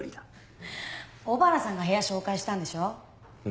小原さんが部屋紹介したんでしょう。